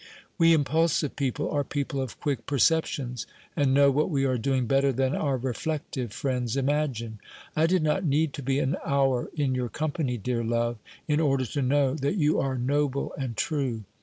We impulsive people are people of quick perceptions, and know what we are doing better than our reflective friends imagine. I did not need to be an hour in your company, dear love, in order to know that you are noble and true.